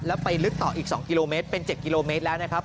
แล้วไปลึกต่ออีก๒กิโลเมตรเป็น๗กิโลเมตรแล้วนะครับ